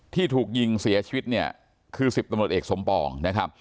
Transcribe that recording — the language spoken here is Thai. ที่ถูกยิงเสียชีวิตเนี่ยคือ๑๐ตำรวจเอกสมปองนะครับ